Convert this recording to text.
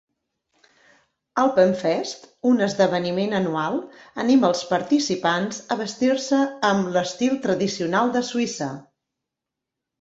Alpenfest, un esdeveniment anual, anima els participants a vestir-se amb a l'estil tradicional de Suïssa.